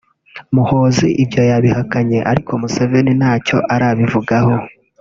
Muhoozi ibyo yabihakanye ariko Museveni ntacyo arabivugaho